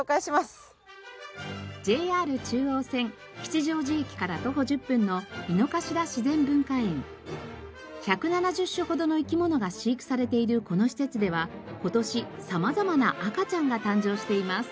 ＪＲ中央線吉祥寺駅から徒歩１０分の１７０種ほどの生き物が飼育されているこの施設では今年様々な赤ちゃんが誕生しています。